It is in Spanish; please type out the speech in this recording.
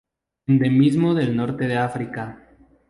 Endemismo del norte de África.